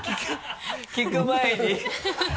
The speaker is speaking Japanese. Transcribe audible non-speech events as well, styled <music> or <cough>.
聞く前に <laughs>